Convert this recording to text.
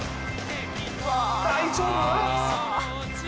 大丈夫？